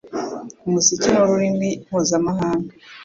Umuziki ni ururimi mpuzamahanga